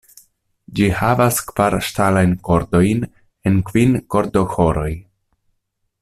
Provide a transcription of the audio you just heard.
Ĝi havas kvar ŝtalajn kordojn en kvin kordoĥoroj.